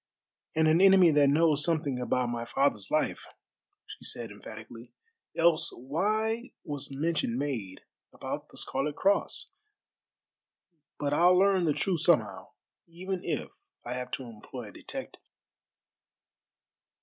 "And an enemy that knows something about my father's life," she said emphatically, "else why was mention made about the Scarlet Cross? But I'll learn the truth somehow, even if I have to employ a detective."